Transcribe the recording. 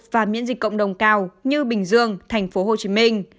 và miễn dịch cộng đồng cao như bình dương tp hcm